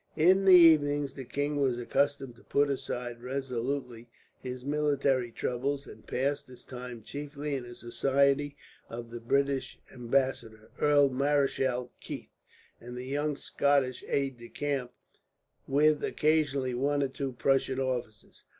In the evenings the king was accustomed to put aside resolutely his military troubles, and passed his time chiefly in the society of the British ambassador, Earl Marischal Keith, and the young Scottish aide de camp, with occasionally one or two Prussian officers.